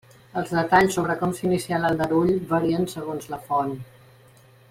Els detalls sobre com s'inicià l'aldarull varien segons la font.